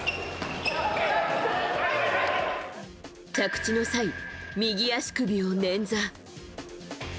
着地の際、右足首を捻挫。